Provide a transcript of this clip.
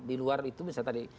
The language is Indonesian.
di luar itu bisa tadi